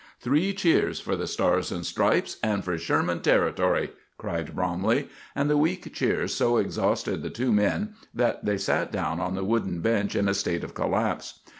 "Three cheers for the stars and stripes, and for Sherman Territory!" cried Bromley, and the weak cheers so exhausted the two men that they sat down on the wooden bench in a state of collapse.